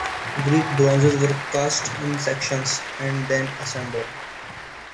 Greek bronzes were cast in sections and then assembled.